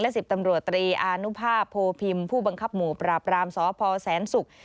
๑๐ตำรวจตรีอานุภาพโพพิมผู้บังคับหมู่ปราบรามสพแสนศุกร์